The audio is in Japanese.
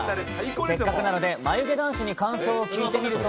せっかくなので、眉毛男子に感想を聞いてみると。